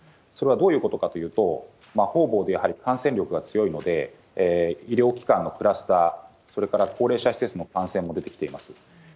それはどういうことかというと、方々でやはり感染力が強いので、医療機関のクラスター、それから高齢者施設の感染も出てきています。